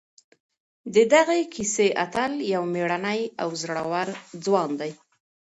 د دغې کیسې اتل یو مېړنی او زړور ځوان دی.